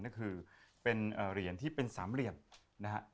นั่นคือเป็นเหรียญที่เป็น๓เหรียญนะฮะ